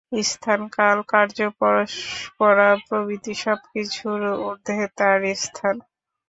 স্থান, কাল, কার্যপরম্পরা প্রভৃতি সব কিছুর ঊর্ধ্বে তাঁর স্থান।